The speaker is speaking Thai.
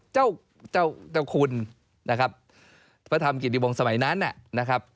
เจ้าเจ้าคุณนะครับพระธรรมกิติวงศ์สมัยนั้นนะครับ